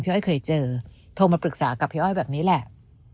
อ้อยเคยเจอโทรมาปรึกษากับพี่อ้อยแบบนี้แหละ